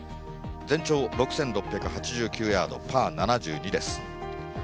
全長６６８９ヤードパー７２です。